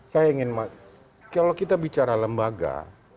saya ingin kalau kita bicara lembaga